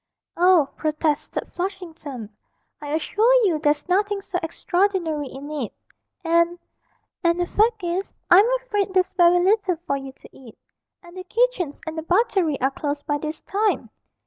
'Oh,' protested Flushington, 'I assure you there's nothing so extraordinary in it, and and the fact is, I'm afraid there's very little for you to eat, and the kitchens and the buttery are closed by this time.'